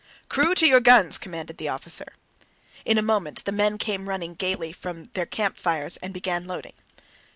"Crew, to your guns!" commanded the officer. In a moment the men came running gaily from their campfires and began loading.